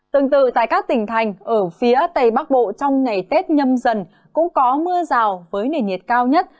tương tự tại các tỉnh thành ở phía tây bắc bộ trong ngày tết nhâm dần cũng có mưa rào với nền nhiệt cao nhất